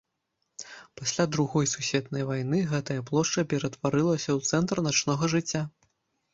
Пасля другой сусветнай вайны гэтая плошча ператварылася ў цэнтр начнога жыцця.